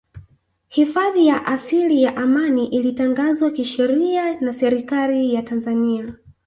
Hifadhi ya asili ya Amani ilitangazwa kisheria na Serikali ya Tanzania